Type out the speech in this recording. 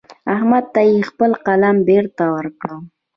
احمد ته يې خپل قلم بېرته ورکړ.